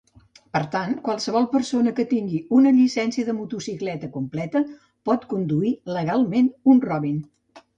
Per tant, qualsevol persona que tingui una "llicència de motocicleta completa" pot conduir legalment un Robin.